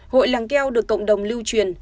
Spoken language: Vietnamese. hội làng keo được cộng đồng lưu truyền